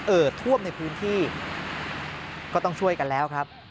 ท่วมในพื้นที่ก็ต้องช่วยกันแล้วครับ